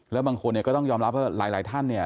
แล้วบางคนก็ต้องยอมรับว่าหลายท่าน